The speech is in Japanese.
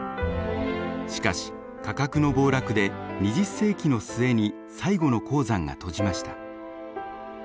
しかし価格の暴落で２０世紀の末に最後の鉱山が閉じました。